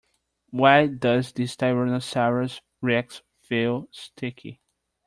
Why does this tyrannosaurus rex feel sticky?